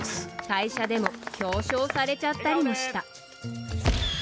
会社でも表彰されちゃったりもした。